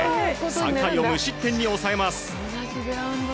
３回を無失点に抑えます。